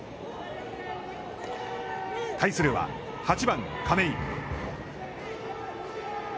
対するは、８番亀井。